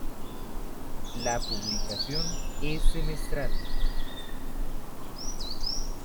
La publicación es semestral.